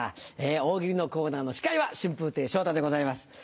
「大喜利」のコーナーの司会は春風亭昇太でございます。